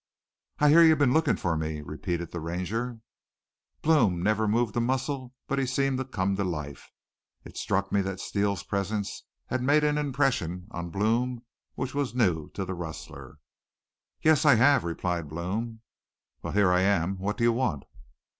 "'I hear you've been looking for me,' repeated the Ranger. "Blome never moved a muscle but he seemed to come to life. It struck me that Steele's presence had made an impression on Blome which was new to the rustler. "'Yes, I have,' replied Blome. "'Well, here I am. What do you want?'